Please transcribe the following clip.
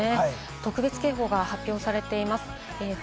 特別警報が発表されています。